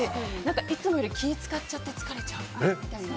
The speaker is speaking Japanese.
いつもより気を使っちゃって疲れちゃうみたいな。